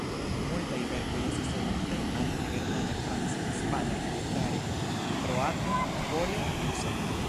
Multaj verkoj estis tradukitaj angle, germane, france, hispane, hungare, kroate, pole, ruse.